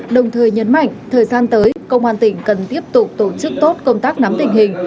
đồng thời nhấn mạnh thời gian tới công an tỉnh cần tiếp tục tổ chức tốt công tác nắm tình hình